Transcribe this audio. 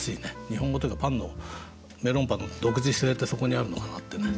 日本語というかパンのメロンパンの独自性ってそこにあるのかなってね